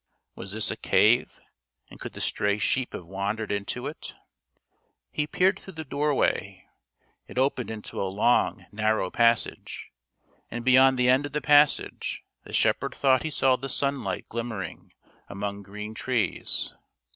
Was this a cave, and could the stray sheep have wandered into it? He peered through the doorway. It opened into a long, narrow passage, and beyond the end of the passage the shepherd thought he saw the sun light glimmering among green trees.